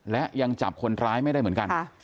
และยังจับคนร้ายไม่ได้เหมือนกัน